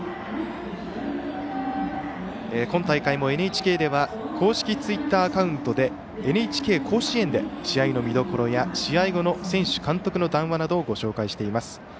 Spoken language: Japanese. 今大会もＮＨＫでは公式ツイッターアカウントで「＃ＮＨＫ甲子園」で試合の見どころや試合後の選手、監督の談話などもご紹介しています。